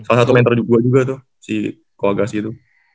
salah satu mentor gue juga tuh si kawak agassi itu